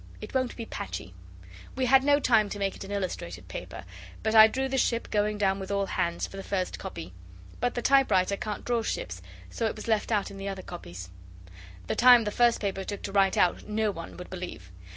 It won't be patchy. We had no time to make it an illustrated paper, but I drew the ship going down with all hands for the first copy. But the typewriter can't draw ships, so it was left out in the other copies. The time the first paper took to write out no one would believe!